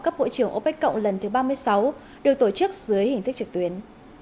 cấp bộ trưởng opec cộng lần thứ ba mươi sáu được tổ chức dưới hình thức trực tuyến